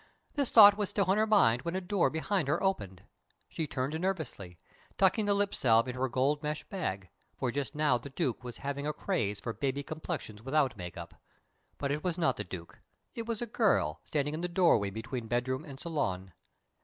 This thought was still in her mind when a door behind her opened. She turned nervously, tucking the lip salve into her gold mesh bag, for just now the Duke was having a craze for baby complexions without make up. But it was not the Duke. It was a girl, standing in the doorway between bedroom and salon.